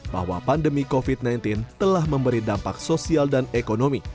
bahwa pandemi covid sembilan belas telah memberi dampak sosial dan ekonomi